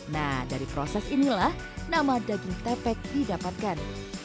nah dari proses inilah nama daging tepek didapatkan